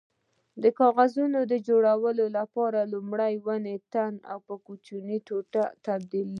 د کاغذ جوړولو لپاره لومړی د ونو تنه په کوچنیو ټوټو تبدیلوي.